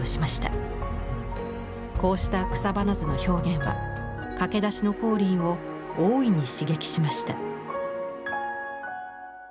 こうした草花図の表現は駆け出しの光琳を大いに刺激しました。